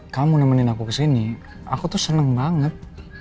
kamu nemenin aku ke sini aku tuh seneng banget